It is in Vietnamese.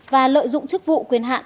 và lợi dụng chức vụ quyền hạn